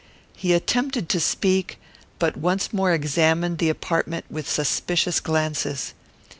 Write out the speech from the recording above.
He attempted to speak, but once more examined the apartment with suspicious glances.